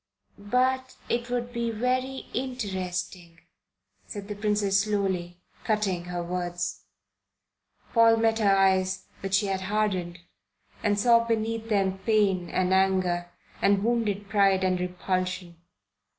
"But it would be very interesting," said the Princess slowly, cutting her words. Paul met her eyes, which she had hardened, and saw beneath them pain and anger and wounded pride and repulsion.